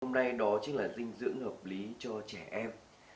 hôm nay đó chính là dinh dưỡng hợp lý cho trẻ em